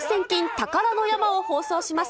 宝の山を放送します。